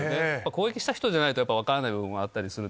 攻撃した人じゃないと、やっぱり分からない部分とかあったりする。